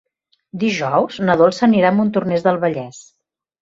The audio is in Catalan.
Dijous na Dolça anirà a Montornès del Vallès.